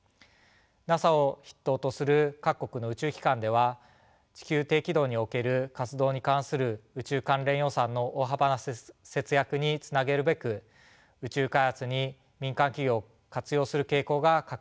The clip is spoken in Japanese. ＮＡＳＡを筆頭とする各国の宇宙機関では地球低軌道における活動に関する宇宙関連予算の大幅な節約につなげるべく宇宙開発に民間企業を活用する傾向が拡大しています。